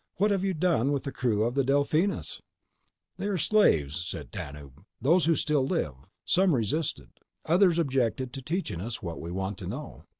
What have you done with the crew of the Delphinus?" "They are slaves," said Tanub. "Those who still live. Some resisted. Others objected to teaching us what we want to know."